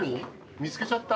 見つけちゃった。